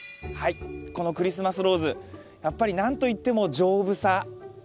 はいこのクリスマスローズやっぱり何と言っても丈夫さ。